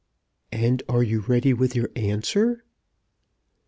"And are you ready with your answer?"